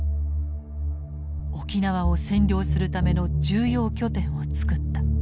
沖縄を占領するための重要拠点を作った。